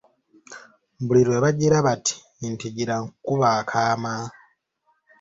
Buli lwebagira bati, nti, "gira nkukube akaama."